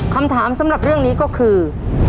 คำถามสำหรับเรื่องนี้ก็คือ